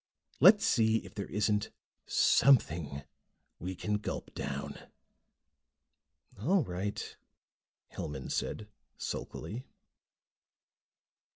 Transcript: Let's see if there isn't something we can gulp down." "All right," Hellman said sulkily.